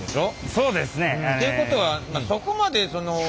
そうですね。ということはそこまでその何かね